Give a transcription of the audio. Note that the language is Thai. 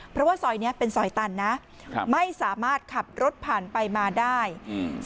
เพราะว่าซอยเนี้ยเป็นซอยตันนะครับไม่สามารถขับรถผ่านไปมาได้อืม